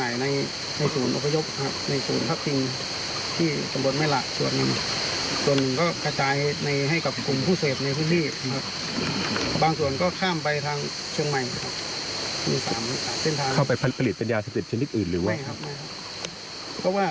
ยิลอิลในพื้นที่บ้านเรามีทีละคระ